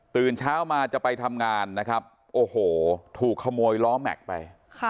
เช้ามาจะไปทำงานนะครับโอ้โหถูกขโมยล้อแม็กซ์ไป